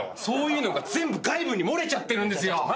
そういうのが全部外部に漏れちゃってるんですよ。